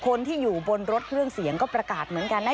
คนที่อยู่บนรถเครื่องเสียงก็ประกาศเหมือนกันนะ